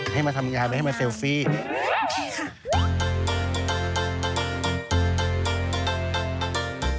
ให้มาทำงานไปให้มาเซลฟี่โอเคค่ะ